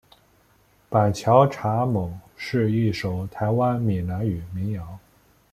板桥查某是一首台湾闽南语民谣。